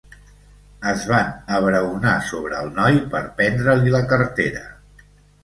Es van abraonar sobre el noi per prendre-li la cartera.